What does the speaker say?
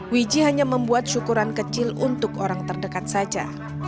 wiji hanya membuat syukuran kecil untuk orang terdekat saja